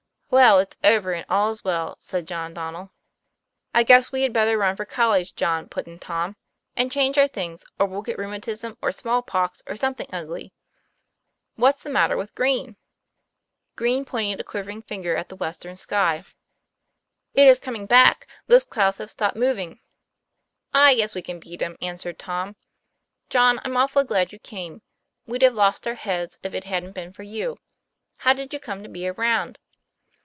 " Well, it's over and all is well, " said John Donnel. " I guess we had better run for college, John," put in Tom, "and change our things, or we'll get rheu matism or small pox, or something ugly. What's the matter, Green?" Green pointed a quivering finger at the western Sky. io8 TOM PLAYFAIR. "It is coming back. Those clouds have stopped moving." 'I guess we can beat 'em," answered Tom. "John, I'm awful glad you came. We'd have lost our heads, if it hadn't been for you. How did you come to be around